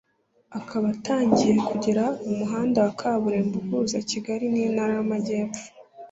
akaba atangiye kugera mu muhanda wa Kaburimbo uhuza Kigali n’Intara y’amajyepfo